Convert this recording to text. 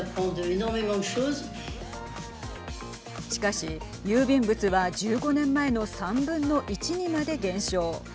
しかし、郵便物は１５年前の３分の１にまで減少。